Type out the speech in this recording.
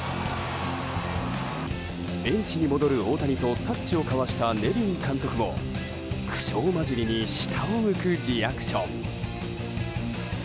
ベンチに戻る大谷とタッチを交わしたネビン監督も苦笑交じりに下を向くリアクション。